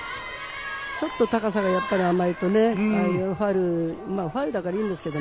ちょっと高さが甘いとね、ファウルだからいいんですけど。